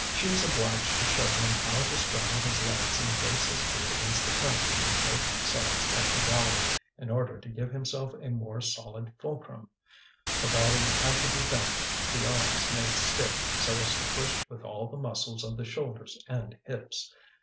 She was obliged to show him how to straddle his legs and brace his feet against the planking on both sides of the gallery, in order to give himself a more solid fulcrum. The body had to be bent, the arms made stiff so as to push with all the muscles of the shoulders and hips.